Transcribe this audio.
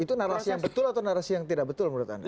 itu narasi yang betul atau narasi yang tidak betul menurut anda